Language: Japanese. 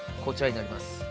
こちらになります。